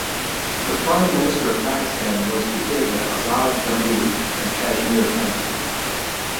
The Prime Minister of Pakistan was to head the Azad Jammu and Kashmir Council.